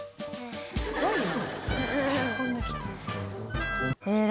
すごいな。